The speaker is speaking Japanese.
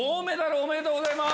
おめでとうございます。